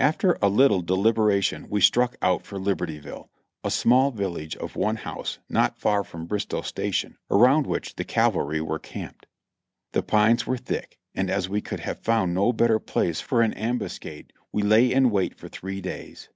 After a little deliberation we struck out for Libertyville, a small village of one house not far from Bristow Station, around which the cavalry were camped. The pines were thick, and as we could have found no better place for an ambuscade, we lay in wait for three days.